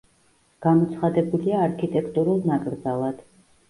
გამოცხადებულია არქიტექტურულ ნაკრძალად.